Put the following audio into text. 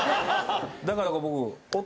だから僕。